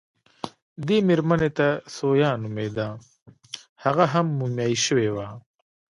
دې مېرمنې ته ثویا نومېده، هغه هم مومیايي شوې وه.